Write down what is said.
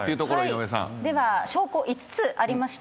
では証拠５つありました。